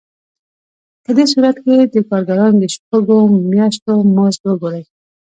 په دې صورت کې د کارګرانو د شپږو میاشتو مزد وګورئ